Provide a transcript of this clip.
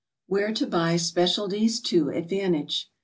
WHERE TO BUY SPECIALTIES TO ADVANTAGE.